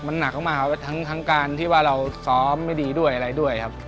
มันหนักมากครับทั้งการที่ว่าเราซ้อมไม่ดีด้วยอะไรด้วยครับ